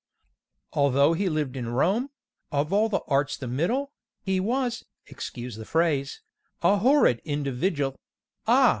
Although he lived in Rome Of all the arts the middle He was (excuse the phrase) A horrid individ'l; Ah!